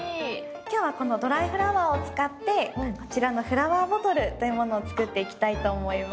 今日はこのドライフラワーを使ってこちらのフラワーボトルというものを作っていきたいと思います。